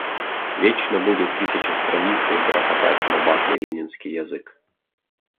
Вечно будет тысячестраницый грохотать набатный ленинский язык.